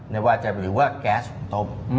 ในวาจจะเป็นว่าแก๊สสูงต้ม